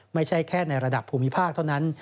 ไม่ใช่แค่ในระดับภูมิภาคเท่านั้น